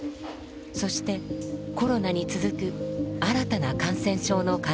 そしてコロナに続く新たな感染症の可能性。